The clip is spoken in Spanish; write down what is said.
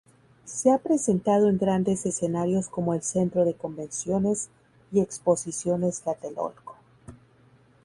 Se ha presentado en grandes escenarios como el "Centro de Convenciones y Exposiciones Tlatelolco".